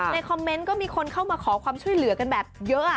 คอมเมนต์ก็มีคนเข้ามาขอความช่วยเหลือกันแบบเยอะ